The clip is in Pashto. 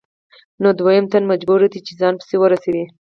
نو دویم تن مجبور دی چې ځان پسې ورسوي